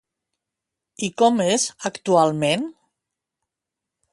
I com és, actualment?